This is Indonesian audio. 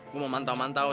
gue mau mantau mantau